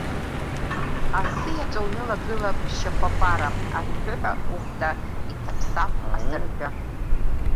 Асы иаҵәа унылагылап шьахәапара, аҳәҳәыҳәа ухәда иҭаԥсап асырҳәы.